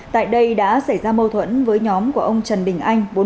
tại đây đã xảy ra mâu thuẫn với nhóm của ông trần đình anh